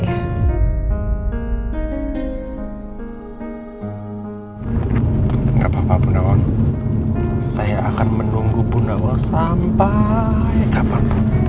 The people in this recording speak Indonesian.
enggak papa bunawan saya akan menunggu bunda wa sampai kapal